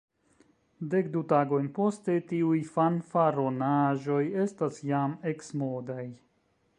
Dek-du tagojn poste, tiuj fanfaronaĵoj estas jam eksmodaj.